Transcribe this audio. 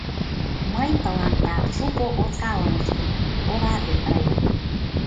Мый тыланда шуко осалым ыштенам, ораде ыльым...